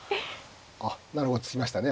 あっなるほど突きましたね